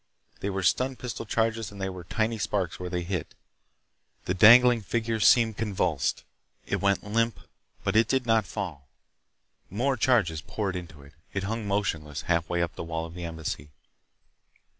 They were stun pistol charges and there were tiny sparks where they hit. The dangling figure seemed convulsed. It went limp, but it did not fall. More charges poured into it. It hung motionless halfway up the wall of the Embassy.